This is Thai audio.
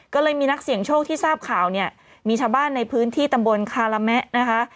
ก็เลยมีนักเสี่ยงโชคที่ทราบข่าวเนี่ยมีชาวบ้านในพื้นที่ตำบลคาระแมะนะคะ